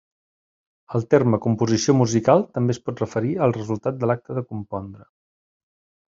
El terme composició musical també es pot referir al resultat de l'acte de compondre.